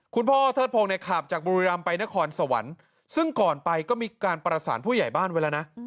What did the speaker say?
คุณพ่อเทิดพงศ์เนี่ยขับจากบุรีรำไปนครสวรรค์ซึ่งก่อนไปก็มีการประสานผู้ใหญ่บ้านไว้แล้วนะ